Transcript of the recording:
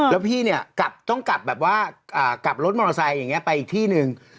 แล้วพี่ต้องกลับรถมอเตอร์ไซค์ไปอีกที่นึง